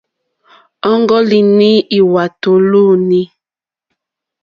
Ɔ́ŋɡɔ́línì lwàtò lúúǃní.